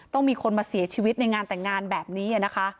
ต้องมีคนมาเสียชีวิตในงานแต่งงานแบบนี้นะคะ